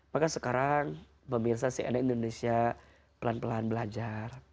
maka sekarang pemirsa cnn indonesia pelan pelan belajar